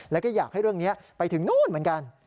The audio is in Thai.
แล้วก็อยากให้เรื่องนี้ไปถึงนู่นเหมือนกัน